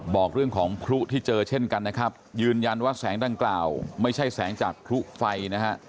บอกเรื่องของพลุที่เจอเช่นกันนะครับยืนยันว่าแสงดังกล่าวไม่ใช่แสงจากพลุไฟนะฮะ